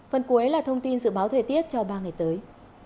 phần cuối là thông tin dự báo thời tiết cho ba ngày tới